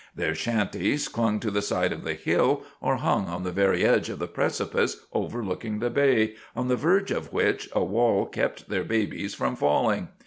Their shanties clung to the side of the hill or hung on the very edge of the precipice overlooking the bay, on the verge of which a wall kept their babies from falling.